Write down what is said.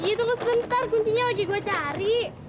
iya tunggu sebentar kuncinya udah gue cari